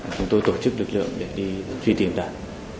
chúng tôi tổ chức lực lượng để đi truy tìm lại